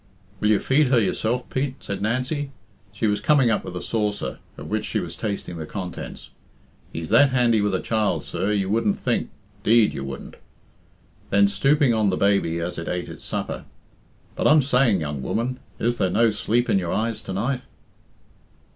"Will you feed her yourself, Pete?" said Nancy. She was coming up with a saucer, of which she was tasting the contents. "He's that handy with a child, sir, you wouldn't think 'Deed you wouldn't." Then, stooping to the baby as it ate its supper, "But I'm saying, young woman, is there no sleep in your eyes to night?"